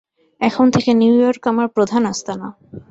এখন থেকে New York আমার প্রধান আস্তানা।